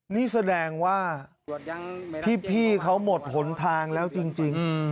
นี่แสดงว่าพี่เขาหมดหนทางแล้วจริง